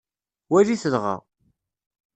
Walit dɣa.